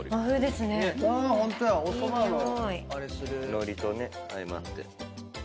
のりとね相まって。